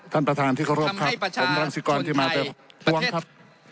ท่านประธานที่เค้าร่วมครับผมรังสิกรที่มาเป็นประเทศ